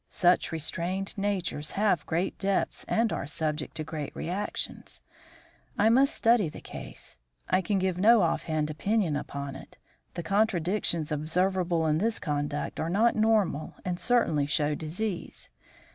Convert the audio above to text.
Such restrained natures have great depths and are subject to great reactions! I must study the case; I can give no offhand opinion upon it. The contradictions observable in his conduct are not normal and certainly show disease.